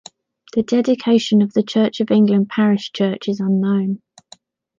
The dedication of the Church of England parish church is unknown.